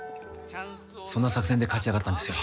そんな作戦で勝ち上がったんですよ